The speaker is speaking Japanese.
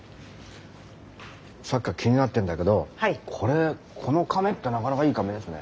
さっきから気になってんだけどこれこの甕ってなかなかいい甕ですね。